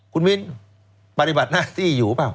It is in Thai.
คุณวินปฏิบัติหน้าที่อยู่เปล่า